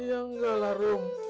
ya enggak lah rum